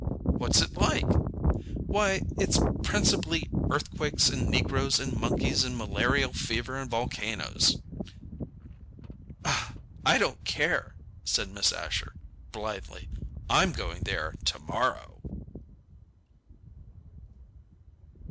"What's it like?" "Why, it's principally earthquakes and negroes and monkeys and malarial fever and volcanoes." "I don't care," said Miss Asher, blithely; "I'm going there to morrow."